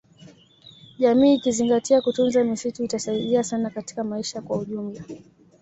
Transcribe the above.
Jamii ikizingatia kutunza misitu itasaidia sana katika maisha kwa ujumla